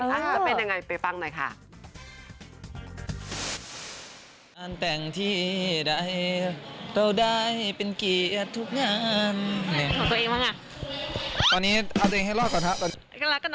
จะเป็นยังไงไปฟังหน่อยค่ะ